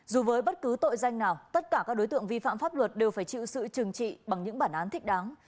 dù với bất cứ tội danh nào tất cả các đối tượng vi phạm pháp luật đều phải chịu sự trừng trị bằng những bản án thích đáng